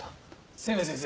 清明先生